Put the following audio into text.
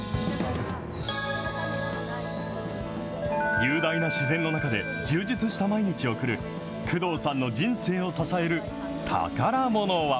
雄大な自然の中で、充実した毎日を送る工藤さんの人生を支える宝ものは。